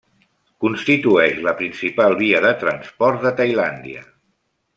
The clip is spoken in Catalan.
Constitueix la principal via de transport de Tailàndia.